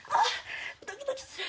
ドキドキする！